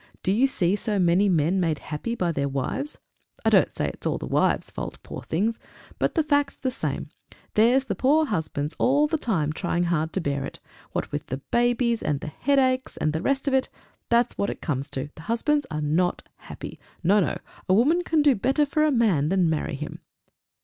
Do you see so many men made happy by their wives? I don't say it's all the wives' fault, poor things! But the fact's the same: there's the poor husbands all the time trying hard to bear it! What with the babies, and the headaches, and the rest of it, that's what it comes to the husbands are not happy! No, no! A woman can do better for a man than marry him!"